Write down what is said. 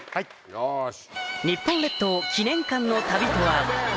よし。